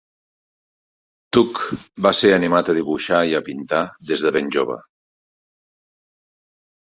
Tuke va ser animat a dibuixar i pintar des de ben jove.